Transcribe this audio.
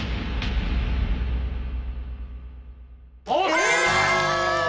正解！